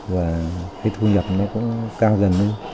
và cái thu nhập nó cũng cao dần lên